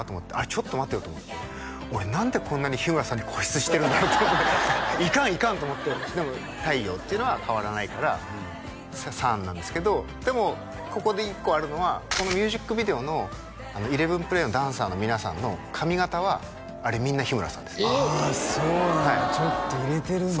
ちょっと待てよと思って俺何でこんなに日村さんに固執してるんだろうと思っていかんいかん！と思ってでも太陽っていうのは変わらないから「ＳＵＮ」なんですけどでもここで一個あるのはこのミュージックビデオのＥＬＥＶＥＮＰＬＡＹのダンサーの皆さんの髪形はあれみんな日村さんですああそうなんだちょっと入れてるんだ